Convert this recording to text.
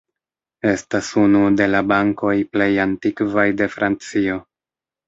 Estas unu de la bankoj plej antikvaj de Francio.